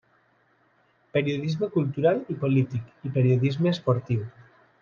Periodisme cultural i polític i Periodisme esportiu.